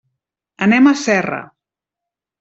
Anem a Serra.